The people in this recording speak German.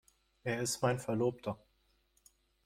Er ist mein Verlobter.